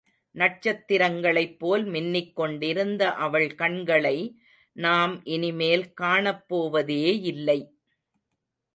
நட்சத்திரங்ளைப் போல் மின்னிக் கொண்டிருந்த அவள் கண்களை நாம் இனிமேல் காணப்போவதேயில்லை!